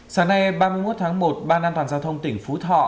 sáng nay ba mươi một tháng một ban an toàn giao thông tỉnh phú thọ